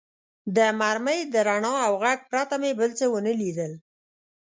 د مرمۍ د رڼا او غږ پرته مې بل څه و نه لیدل.